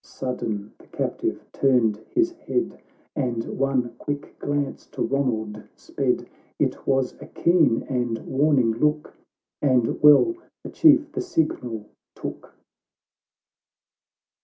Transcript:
"— Sudden the captive turned his head, And one quick glance to Ronald sped. It was a keen and warning look, And well the Chief the signal took.